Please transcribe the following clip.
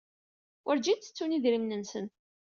Werǧin ttettun idrimen-nsen.